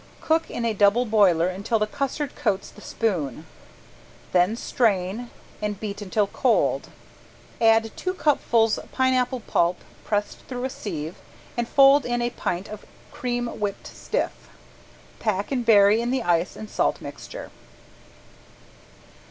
Cook in a double boiler until the custard coats the spoon, then strain and beat until cold. Add two cupfuls pineapple pulp pressed through a sieve and fold in a pint of cream whipped stiff. Pack and bury in the ice and salt mixture.